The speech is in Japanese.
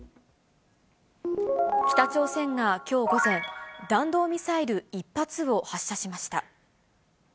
北朝鮮がきょう午前、弾道ミサイル１発を発射しました。